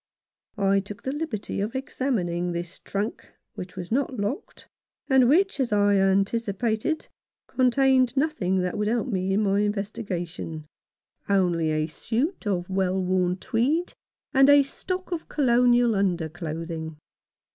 I took the liberty of examining this trunk, which was not locked, and which, as I anticipated, contained nothing that could help me in my investigation — only a suit of well worn tweed and a stock of Colonial underclothing.